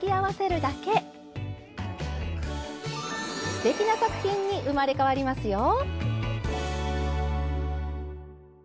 すてきな作品に生まれ変わりますよ！